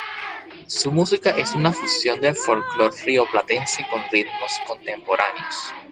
Su música es una fusión del folclore rioplatense con ritmos contemporáneos.